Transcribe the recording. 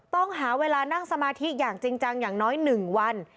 ต้องหาเวลานั่งสมาธิอย่างจริงจังอย่างน้อย๑วัน